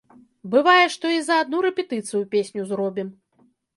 Бывае, што і за адну рэпетыцыю песню зробім.